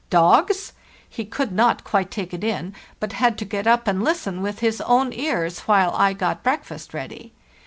'Dogs? He could not quite take it in, but had to get up and listen with his own ears while I got breakfast ready.